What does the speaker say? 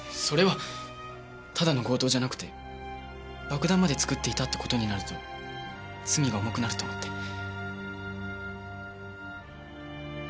それはただの強盗じゃなくて爆弾まで作っていたって事になると罪が重くなると思って。